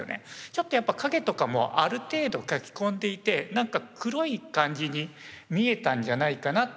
ちょっとやっぱ影とかもある程度描き込んでいて何か黒い感じに見えたんじゃないかなっていうふうに私は感じて。